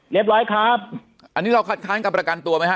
ร้อยครับอันนี้เราคัดค้านการประกันตัวไหมฮ